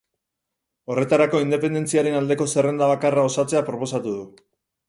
Horretarako independentziaren aldeko zerrenda bakarra osatzea proposatu du.